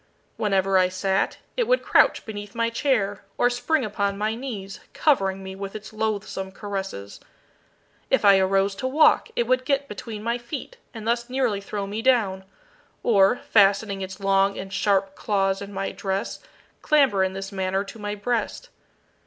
Whenever I sat, it would crouch beneath my chair or spring upon my knees, covering me with its loathsome caresses. If I arose to walk it would get between my feet and thus nearly throw me down, or, fastening its long and sharp claws in my dress, clamber in this manner to my breast.